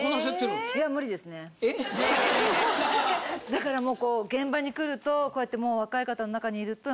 だからもう現場に来るとこうやって。